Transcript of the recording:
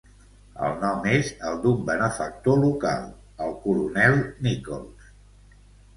El nom és el d'un benefactor local, el coronel Nichols.